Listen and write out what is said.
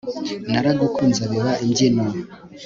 naragukunze biba imbyino